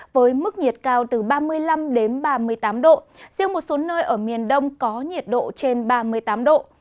với mức nhiệt cao từ ba mươi năm đến ba mươi tám độ riêng một số nơi ở miền đông có nhiệt độ trên ba mươi tám độ